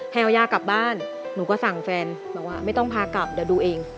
ให้เอาย่ากลับบ้านหนูก็สั่งแฟนบอกว่าไม่ต้องพากลับเดี๋ยวดูเอง